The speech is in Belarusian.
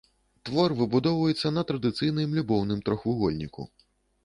Твор выбудоўваецца на традыцыйным любоўным трохвугольніку.